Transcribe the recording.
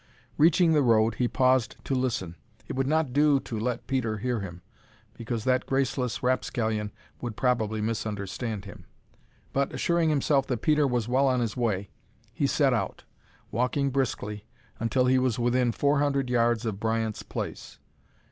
Reaching the road, he paused to listen. It would not do to let Peter hear him, because that graceless rapscallion would probably misunderstand him. But, assuring himself that Peter was well on his way, he set out, walking briskly until he was within four hundred yards of Bryant's place.